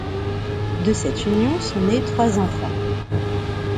De cette union sont nés trois enfants.